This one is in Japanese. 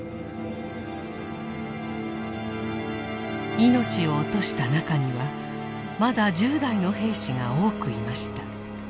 命を落とした中にはまだ１０代の兵士が多くいました。